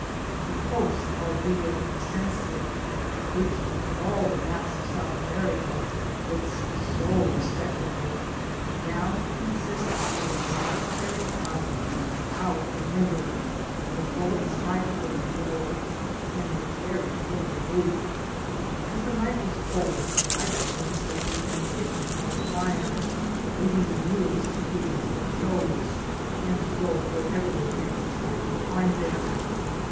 The post of Villa Vicencia, which in all the maps of South America looks so respectably, now Digitized byGoogk 184 FASSAC^B ACHOSS Qcmsists of a solitary hut without a window, with a l)ullock*3 hide for a door, and with very little roof. As the night was cold, I preferred sleepmg in the kitcbmi by the fire, leaving the mules to do as they chose, and to go wherever thdur fancies might incline them.